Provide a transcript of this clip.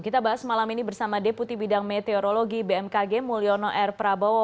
kita bahas malam ini bersama deputi bidang meteorologi bmkg mulyono r prabowo